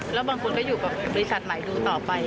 แล้วบางคนก็อยู่กับบริษัทไหนดูต่อไป